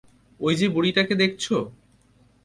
ঐ যে বুড়িটাকে দেখছো?